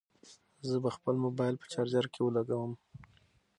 زه به خپل موبایل په چارجر کې ولګوم.